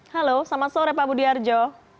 halo selamat sore pak budi harjo